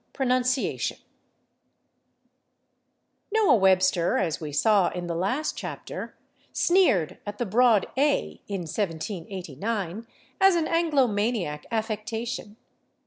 § 5 /Pronunciation/ Noah Webster, as we saw in the last chapter, sneered at the broad /a/, in 1789, as an Anglomaniac affectation.